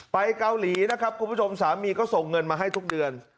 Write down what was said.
เกาหลีนะครับคุณผู้ชมสามีก็ส่งเงินมาให้ทุกเดือน